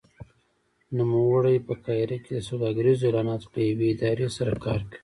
نوموړی په قاهره کې د سوداګریزو اعلاناتو له یوې ادارې سره کار کوي.